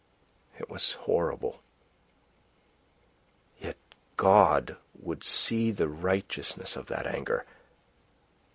It was horrible. Yet God would see the righteousness of that anger.